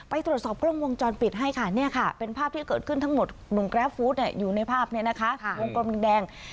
ไปตรวจสอบกล้องวงจอนปิดให้ค่ะ